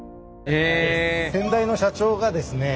先代の社長がですね